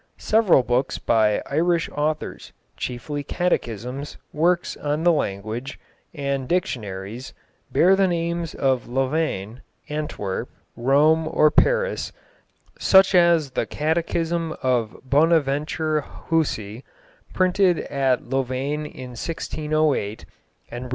Several books by Irish authors, chiefly catechisms, works on the language, and dictionaries, bear the names of Louvain, Antwerp, Rome or Paris, such as the Catechism of Bonaventure Hussey, printed at Louvain in 1608, and reprinted at Antwerp in 1611 and 1618.